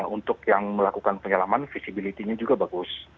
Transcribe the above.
untuk yang melakukan penyelaman visibility nya juga bagus